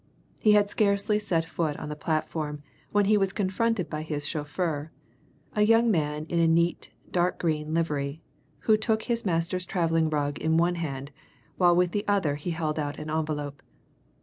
He had scarcely set foot on the platform when he was confronted by his chauffeur, a young man in a neat dark green livery, who took his master's travelling rug in one hand, while with the other he held out an envelope.